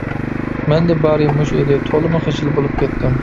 مەندە بارى مۇشۇ ئىدى، تولىمۇ خىجىل بولۇپ كەتتىم.